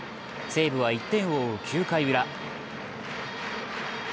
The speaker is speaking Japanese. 西武は１点を追う９回ウラ。